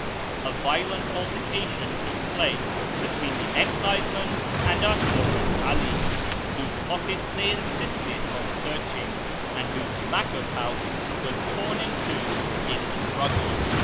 A violent altercation took place between the excisemen and our servant 'All, whose pockets they insisted on searching, and whose tobacco pouch was torn in two in the struggle.